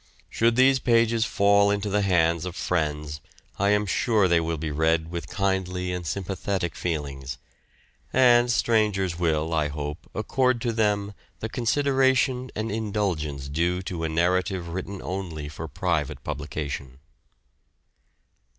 Should these pages fall into the hands of friends I am sure they will be read with kindly and sympathetic feelings, and strangers will, I hope, accord to them the consideration and indulgence due to a narrative written only for private publication.